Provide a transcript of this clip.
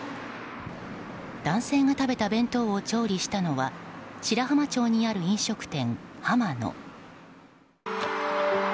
男性が食べた弁当を調理したのは白浜町にある飲食店、はま乃。